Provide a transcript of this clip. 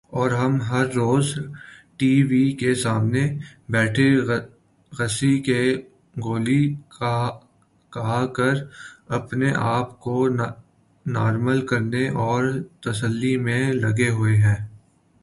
اور ہم روز ٹی وی کے سامنے بیٹھے غصے کی گولی کھا کر اپنے آپ کو نارمل کرنے اور تسلی میں لگے ہوئے ہیں ۔